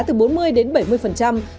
từ bốn mươi đến bảy mươi phần trăm